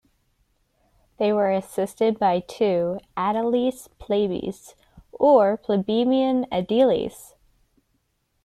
They were assisted by two "aediles plebis", or plebeian aediles.